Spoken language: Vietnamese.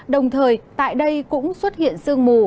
đồng thời tại đây cũng xuất hiện sương mù